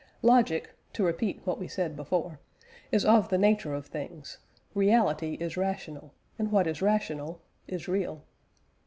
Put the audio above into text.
Logic (to repeat what we said before) is of the nature of things: reality is rational, and what is rational is real.